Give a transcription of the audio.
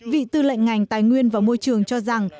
vị tư lệnh ngành tài nguyên và môi trường cho rằng